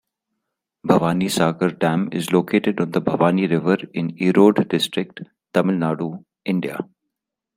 Bhavanisagar dam is located on the Bhavani river in Erode district, Tamil Nadu, India.